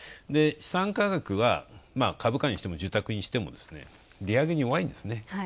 資産価格は株価にしても住宅にしても、利上げに弱いんですね。